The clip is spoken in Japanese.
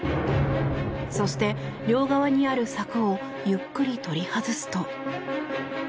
そして、両側にある柵をゆっくり取り外すと。